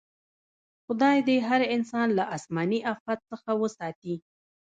خدای دې هر انسان له اسماني افت څخه وساتي.